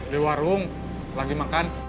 di warung lagi makan